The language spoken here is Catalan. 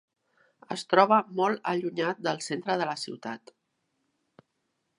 Es troba molt allunyat del centre de la ciutat.